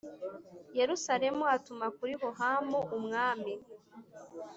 Yerusalemu atuma kuri hohamu umwami